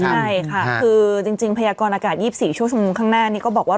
ใช่ค่ะคือจริงพยากรอากาศ๒๔ชั่วโมงข้างหน้านี้ก็บอกว่า